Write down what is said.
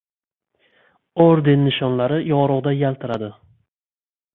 Orden-nishonlari yorug‘da yaltiradi!